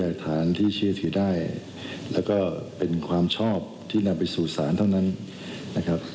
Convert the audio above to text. อย่างนั้นไปที่ที่ก็คือจะรู้สึกว่าเนี่ยว่าอีกอย่างมากนะครับ